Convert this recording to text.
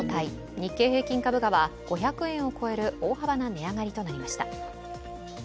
日経平均株価は５００円を超える大幅な値上がりとなりました。